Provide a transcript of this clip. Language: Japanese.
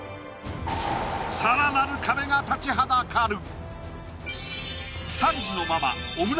さらなる壁が立ちはだかる！